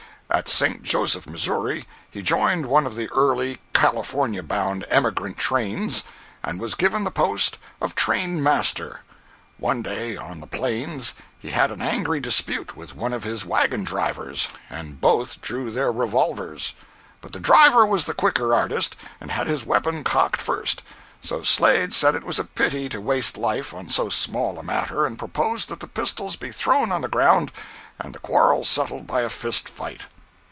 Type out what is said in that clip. At St. Joseph, Missouri, he joined one of the early California bound emigrant trains, and was given the post of train master. One day on the plains he had an angry dispute with one of his wagon drivers, and both drew their revolvers. But the driver was the quicker artist, and had his weapon cocked first. So Slade said it was a pity to waste life on so small a matter, and proposed that the pistols be thrown on the ground and the quarrel settled by a fist fight.